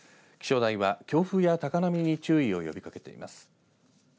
気象台は強風や高波に注意を呼びかけています。